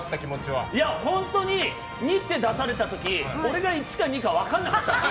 本当に、２って出された時俺が１か２か分からなかった。